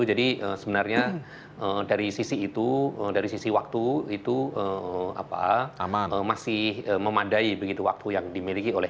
jadi sebenarnya dari sisi itu dari sisi waktu itu apa masih memadai begitu waktu yang dimiliki oleh